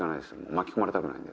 巻き込まれたくないんで。